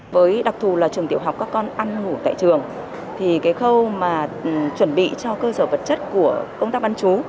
với đặc thù là trường tiểu học các con ăn ngủ tại trường thì cái khâu mà chuẩn bị cho cơ sở vật chất của công tác bán chú